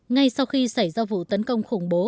ngay sau khi xảy ra vụ tấn công khủng bố